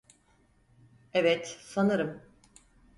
Evet, sanırım.